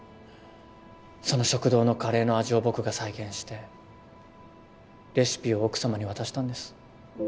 その食堂のカレーの味を僕が再現してレシピを奥様に渡したんです。